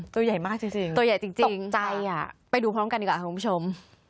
ตัวใหญ่มากจริงตัวใหญ่จริงตกใจไปดูพร้อมกันดีกว่าค่ะคุณผู้ชม